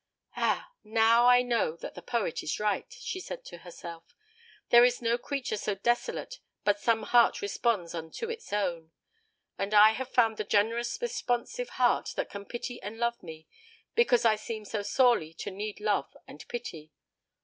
"Ah, now I know that the poet is right," she said to herself. "There is no creature so desolate but some heart responds unto its own. And I have found the generous responsive heart that can pity and love me because I seem so sorely to need love and pity.